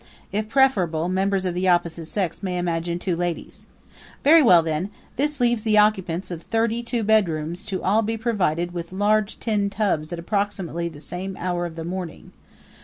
If preferable, members of the opposite sex may imagine two ladies. Very well, then; this leaves the occupants of thirty two bedrooms all to be provided with large tin tubs at approximately the same hour of the morning.